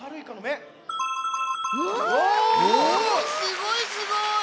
すごいすごい。